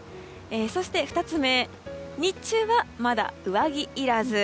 ２つ目、日中はまだ上着いらず。